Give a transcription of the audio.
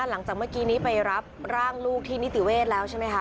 หลังจากเมื่อกี้นี้ไปรับร่างลูกที่นิติเวศแล้วใช่ไหมคะ